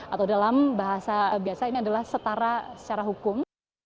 atau dalam bahasa biasa ini adalah setara secara hukum